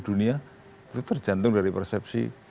dunia itu tergantung dari persepsi